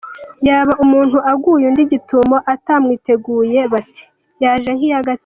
Yaba umuntu aguye undi gitumo atamwiteguye, bati “Yaje nk’iya Gatera!”.